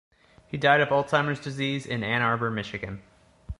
He died of Alzheimer's disease in Ann Arbor, Michigan.